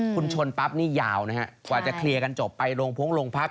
คุณชนปั๊บนี่ยาวนะฮะกว่าจะเคลียร์กันจบไปลงพุ้งโรงพัก